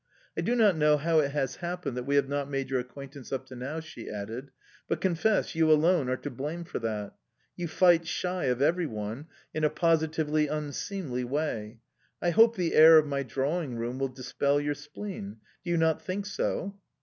"I do not know how it has happened that we have not made your acquaintance up to now," she added; "but confess, you alone are to blame for that. You fight shy of everyone in a positively unseemly way. I hope the air of my drawingroom will dispel your spleen... Do you not think so?"